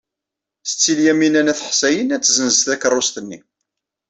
Setti Lyamina n At Ḥsayen ad tessenz takeṛṛust-nni.